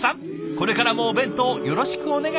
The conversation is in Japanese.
これからもお弁当よろしくお願いします！